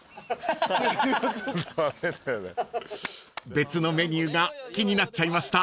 ［別のメニューが気になっちゃいました？］